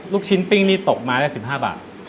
ลูกชิ้นปิ้งนี่ตกมาได้๑๕บาท